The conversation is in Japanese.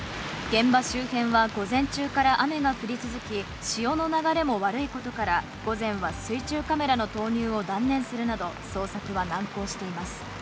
現場周辺は午前中から雨が降り続き、潮の流れも悪いことから、午前は水中カメラの投入を断念するなど、捜索は難航しています。